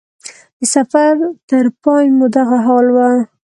د سفر تر پای مو دغه حال و.